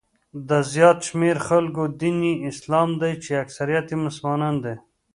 د زیات شمېر خلکو دین یې اسلام دی چې اکثریت یې مسلمانان دي.